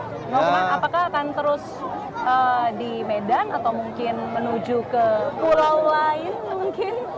apakah akan terus di medan atau mungkin menuju ke pulau lain mungkin